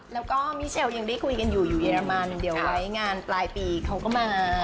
แล้วก็มิเชลยังได้คุยกันอยู่อยู่เรมันเดี๋ยวไว้งานปลายปีเขาก็มา